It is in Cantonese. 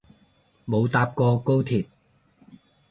冇搭過高鐵